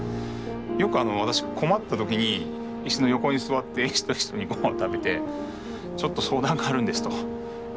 よく私困った時に石の横に座って石と一緒にごはんを食べて「ちょっと相談があるんです」と。